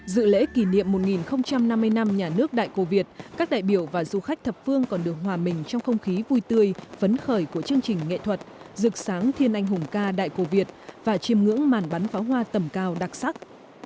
dự lễ kỷ niệm một nghìn năm mươi năm nhà nước đại cô việt các đại biểu và du khách thập phương còn được hòa mình trong không khí vui tươi phấn khởi của chương trình nghệ thuật rực sáng thiên anh hùng ca đại cổ việt và chiêm ngưỡng màn bắn pháo hoa tầm cao đặc sắc